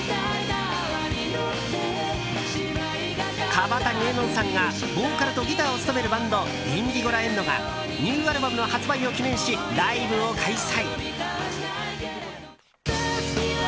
川谷絵音さんがボーカルとギターを務めるバンドｉｎｄｉｇｏｌａＥｎｄがニューアルバムの発売を記念しライブを開催。